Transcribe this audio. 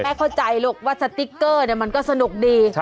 เข้าใจลูกว่าสติ๊กเกอร์มันก็สนุกดี